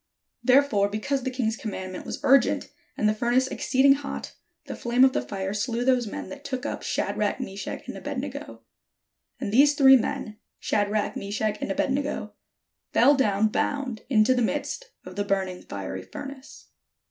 Therefore because the king's commandment was urgent, and the furnace exceeding hot, the flame of the fire slew those men that took up Shadrach, Meshach, and Abed nego. And these three men, Shadrach, Meshach, and Abed nego, fell down bound into the midst of the burning fiery furnace.